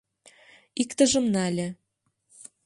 Иктыжым нале.